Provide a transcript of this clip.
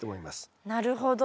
なるほど。